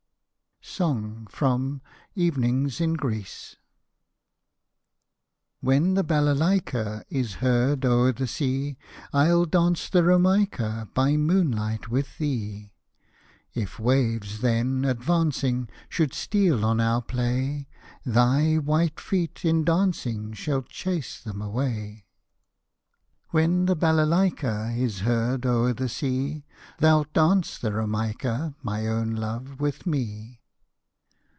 SONG (FROM '' EVENINGS IN GREECE"; When the Balaika Is heard o'er the sea, I'll dance the Romaika By moonlight with thee. If waves then, advancing. Should steal on our play, Thy white feet, in dancing, Shall chase them away. Hosted by Google SONG 83 When the Balaika Is heard o'er the sea, Thou'lt dance the Romaika, My own love, with me.